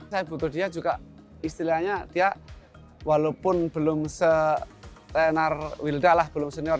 saya butuh dia juga istilahnya dia walaupun belum setenar wilda lah belum senior